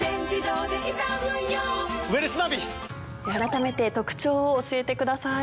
改めて特徴を教えてください。